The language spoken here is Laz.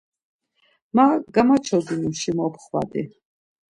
Ma gamaçodinuris mopxvadi.